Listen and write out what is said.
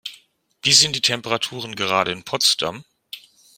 Wie sind die Temperaturen gerade in Potsdam?